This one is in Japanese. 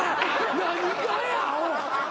何がやアホ！